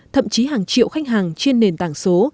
thậm chí hàng triệu khách hàng trên nền tảng số